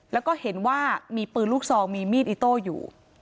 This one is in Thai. แล้วก็เห็นว่ามีปืนลูกซองมีมีดอิโต้อยู่